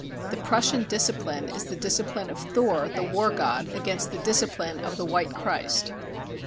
The Prussian discipline is the discipline of Thor, the War God, against the discipline of the White Christ.